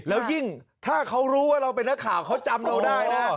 แล้วยิ่งถ้าเขารู้ว่าเราเป็นนักข่าวเขาจำเราได้นะ